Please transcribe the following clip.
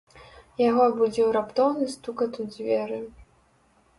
Яго абудзіў раптоўны стукат у дзверы.